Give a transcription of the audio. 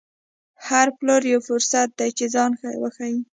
هر پلور یو فرصت دی چې ځان وښيي.